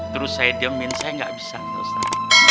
terus saya diemin saya gak bisa pak ustadz